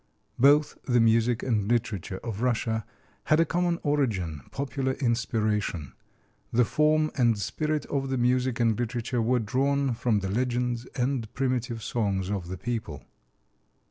Both the music and literature of Russia had a common origin popular inspiration. The form and spirit of the music and literature were drawn from the legends and primitive songs of the people.